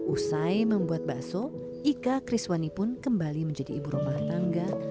usai membuat bakso ika kriswani pun kembali menjadi ibu rumah tangga